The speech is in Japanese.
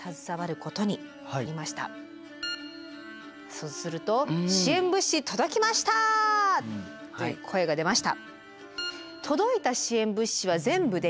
そうするとという声が出ました。